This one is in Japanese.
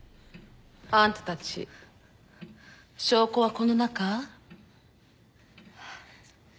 あんたたち証拠はこの中？